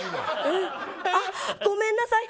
ああ、ごめんなさい。